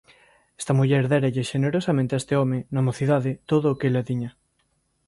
Esta muller déralle xenerosamente a este home, na mocidade, todo o que ela tiña.